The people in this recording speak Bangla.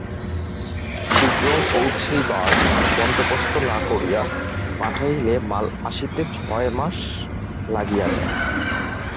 শীঘ্র পৌঁছিবার বন্দোবস্ত না করিয়া পাঠাইলে মাল আসিতে ছয় মাস লাগিয়া যায়।